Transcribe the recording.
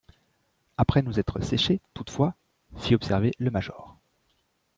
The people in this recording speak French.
Après nous être séchés toutefois, fit observer le major.